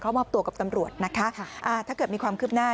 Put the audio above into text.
เข้ามาพบตัวกับตำรวจนะคะถ้าเกิดมีความคืบหน้า